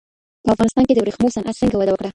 په افغانستان کي د ورېښمو صنعت څنګه وده وکړه؟